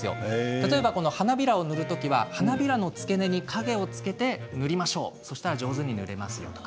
例えば花びらを塗る時は花びらの付け根に影をつけて塗りましょう、そうしたら上手に塗れますよとか。